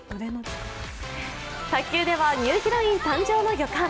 卓球ではニューヒロイン誕生の予感。